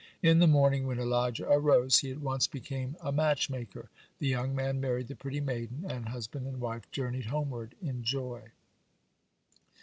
In the morning, when Elijah arose, he at once became a matchmaker, the young man married the pretty maiden, and husband and wife journeyed homeward in joy.